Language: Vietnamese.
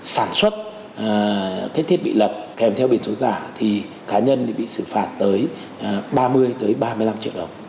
sản xuất thiết bị lập kèm theo biển số giả thì cá nhân bị xử phạt tới ba mươi ba mươi năm triệu đồng